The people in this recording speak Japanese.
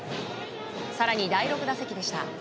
更に第６打席でした。